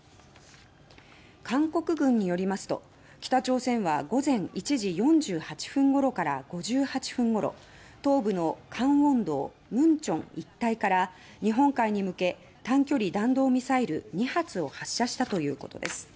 韓国軍によりますと北朝鮮は午前１時４８分頃から５８分ごろ東部の江原道文川一帯から日本海に向け短距離弾道ミサイル２発を発射したということです。